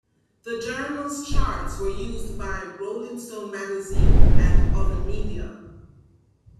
The journal's charts were used by "Rolling Stone" magazine and other media.